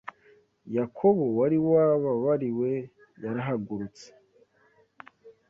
Yakobo wari wababariwe yarahagurutse